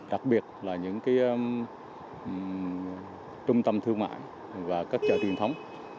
đặc biệt là những trung tâm thương mại và các chợ truyền thống